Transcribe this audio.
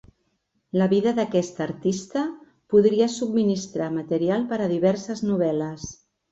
La vida d'aquesta artista podria subministrar material per a diverses novel·les.